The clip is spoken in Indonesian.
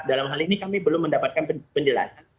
dalam hal ini kami belum mendapatkan penjelasan